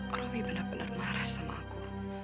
orangnya benar benar marah sama aku